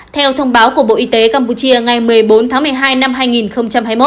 theo thông báo của bộ y tế campuchia ngày một mươi bốn tháng một mươi hai năm hai nghìn hai mươi một